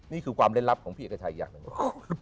นี่คือความเล่นลับของพี่เอกชัยอย่างหนึ่ง